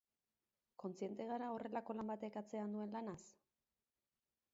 Kontziente gara horrelako lan batek atzean duen lanaz?